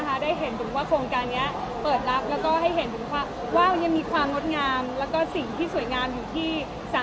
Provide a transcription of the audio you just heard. ก็จะสาบานด้วยร่วมของมันค่ะ